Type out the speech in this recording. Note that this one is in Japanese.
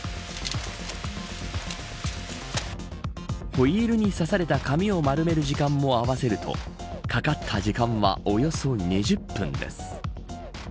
ホイールにさされた紙を丸める時間も合わせるとかかった時間はおよそ２０分です。